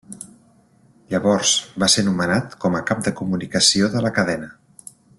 Llavors va ser nomenat com a cap de comunicació de la cadena.